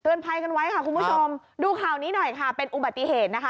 ภัยกันไว้ค่ะคุณผู้ชมดูข่าวนี้หน่อยค่ะเป็นอุบัติเหตุนะคะ